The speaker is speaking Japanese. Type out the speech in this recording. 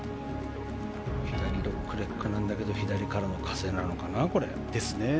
左ドッグレッグなんだけど左からの風なのかな。